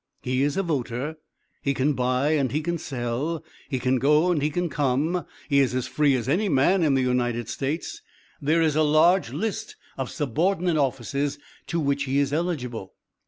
He is a voter; he can buy and he can sell; he can go and he can come. He is as free as any man in the United States. There is a large list of subordinate offices to which he is eligible.